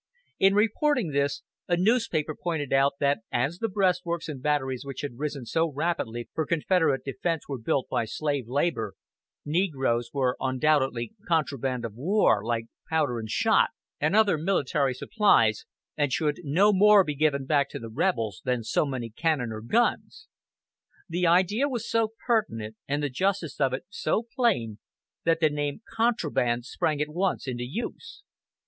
In reporting this, a newspaper pointed out that as the breastworks and batteries which had risen so rapidly for Confederate defense were built by slave labor, negroes were undoubtedly "contraband of war," like powder and shot, and other military supplies, and should no more be given back to the rebels than so many cannon or guns. The idea was so pertinent, and the justice of it so plain that the name "contraband" sprang at once into use.